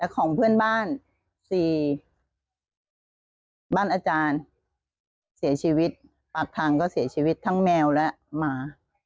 ของเพื่อนบ้าน๔บ้านอาจารย์เสียชีวิตปากทางก็เสียชีวิตทั้งแมวและหมา